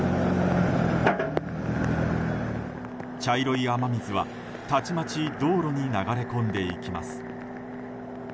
茶色い雨水はたちまち道路に流れ込んでいきます。